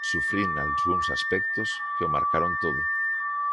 Sufrín nalgúns aspectos que o marcaron todo.